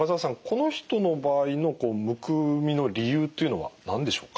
この人の場合のむくみの理由というのは何でしょうか？